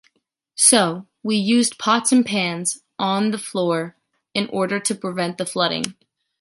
So, we used pots and pants on the floor in order to prevent the flooding.